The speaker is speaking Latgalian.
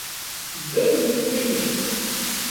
Dymdys viņ īt.